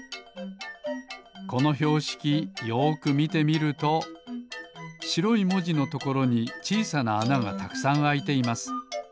このひょうしきよくみてみるとしろいもじのところにちいさなあながたくさんあいています。